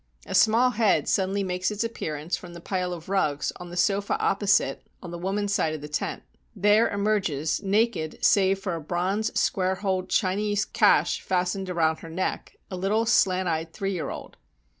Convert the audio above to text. A small head suddenly makes its appearance from the pile of rugs on the sofa opposite on the women's side of the tent. There emerges, naked save for a bronze square holed Chinese cash fastened around her neck, a little slant eyed three year old.